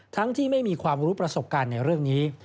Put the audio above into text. ที่ไม่มีความรู้ประสบการณ์ในเรื่องนี้